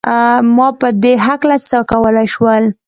ما په دې هکله څه کولای شول؟